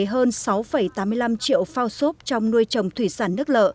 xóa xổ hoàn toàn phao xốp thay thế hơn sáu tám mươi năm triệu phao xốp trong nuôi trồng thủy sản nước lợ